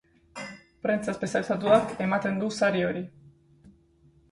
Prentsa espezializatuak ematen du sari hori.